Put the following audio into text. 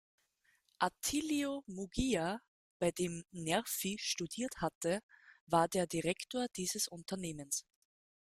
Attilio Muggia, bei dem Nervi studiert hatte, war der Direktor dieses Unternehmens.